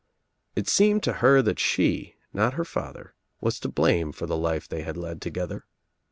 It seemed to her that she, not her father, was to blame for the life they had led together.